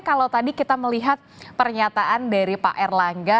kalau tadi kita melihat pernyataan dari pak erlangga